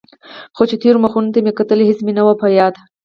خو چې تېرو مخونو ته مې کتل هېڅ مې نه و په ياد.